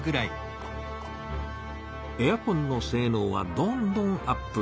エアコンのせいのうはどんどんアップ。